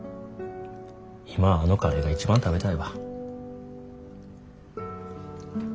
今あのカレーが一番食べたいわ。